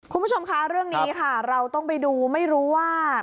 คุณผู้ชมคะเรื่องนี้ค่ะเราต้องไปดูไม่รู้ว่า